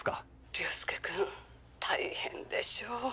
凌介君大変でしょう。